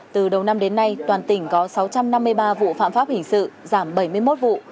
từ đầu năm đến nay toàn tỉnh có sáu trăm năm mươi ba vụ phạm pháp hình sự giảm bảy mươi một vụ